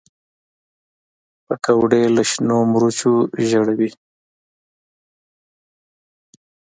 پکورې له شنو مرچو ژړوي